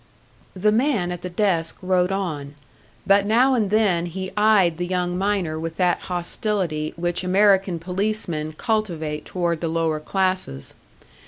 The man at the desk wrote on, but now and then he eyed the young miner with that hostility which American policemen cultivate toward the lower classes.